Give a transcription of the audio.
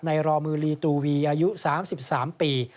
รอมือลีตูวีอายุ๓๓ปี